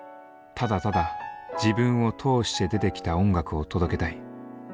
ただただ自分を通して出てきた音楽を届けたい。